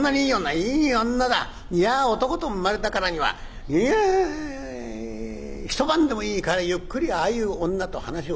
『いや男と生まれたからにはいや一晩でもいいからゆっくりああいう女と話をしてみたい』。